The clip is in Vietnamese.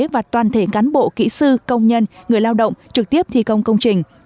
và toàn thể cán bộ kỹ sư công nhân người lao động trực tiếp thi công công trình